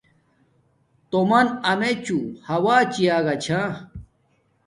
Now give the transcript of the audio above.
تومن امیچوں ہوا چیگا چھا